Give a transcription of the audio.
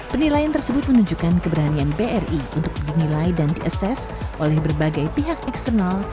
penilaian tersebut menunjukkan keberanian bri untuk dinilai dan diases oleh berbagai pihak eksternal